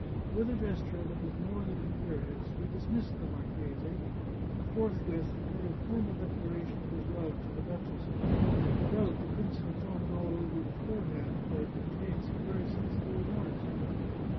With a gesture that was more than imperious, he dismissed the marchese, and forth with made a formal declaration of his love to the duchess. No doubt the prince had thought it all over beforehand, for it contained some very sensible remarks.